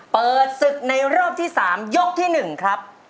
เปิดศึกในรอบที่๓ยกที่๑ครับ